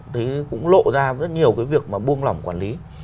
đấy cũng lộ ra rất nhiều cái việc mà buông lỏng quản lý